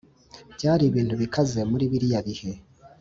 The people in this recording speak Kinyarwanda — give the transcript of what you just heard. byari ibintu bikaze muri biriya bihe